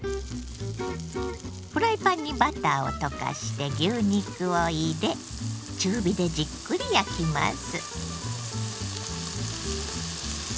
フライパンにバターを溶かして牛肉を入れ中火でじっくり焼きます。